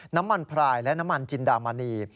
น้ำมันพลายและน้ำมันจินดามณี